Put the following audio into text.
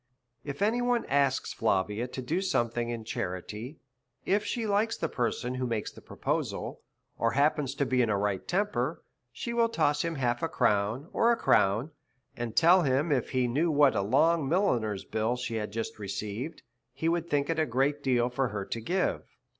If any one asks Flavia to do something in charity, if she likes the person who makes the proposal, or happens to be in a right temper, she will toss him half a crown, or a crown, and tell him, if he knew what a long milliner's bill she had just received, he would think it a great deal for her to give.